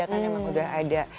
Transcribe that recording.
karena emang udah ada